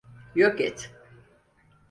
Yok et!